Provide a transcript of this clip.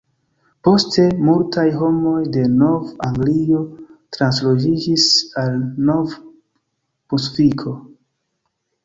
Poste, multaj homoj de Nov-Anglio transloĝiĝis al Nov-Brunsviko.